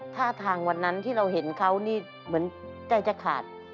ท่าทางวันนั้นที่เราเห็นเขานี่เหมือนใจจะขาด